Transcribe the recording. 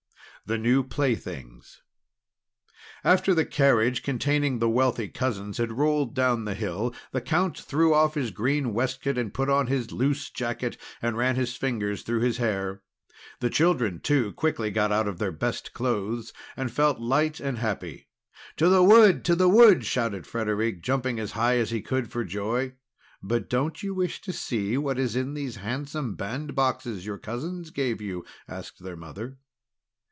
THE NEW PLAYTHINGS After the carriage containing the wealthy cousins had rolled down the hill, the Count threw off his green waistcoat, and put on his loose jacket, and ran his fingers through his hair. The children, too, quickly got out of their best clothes, and felt light and happy. "To the wood! To the wood!" shouted Frederic, jumping as high as he could for joy. "But don't you wish to see what is in these handsome bandboxes your cousins gave you?" asked his mother.